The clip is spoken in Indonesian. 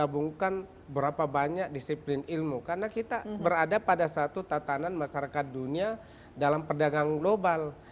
berapa banyak disiplin ilmu karena kita berada pada satu tatanan masyarakat dunia dalam perdagangan global